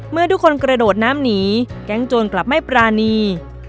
เมื่อทุกคนกระโดดน้ำหนีแก๊งโจรกลับไม่ปรานี